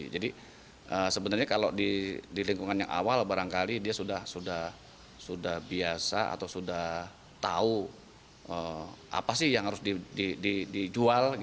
jadi sebenarnya kalau di lingkungan yang awal barangkali dia sudah biasa atau sudah tahu apa sih yang harus dijual